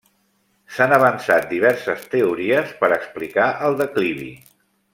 S'han avançat diverses teories per explicar el declivi.